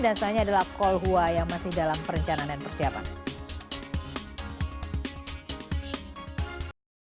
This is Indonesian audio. dan selanjutnya adalah kolhua yang masih dalam perencanaan dan persiapan